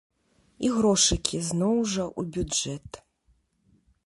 І грошыкі, зноў жа, у бюджэт.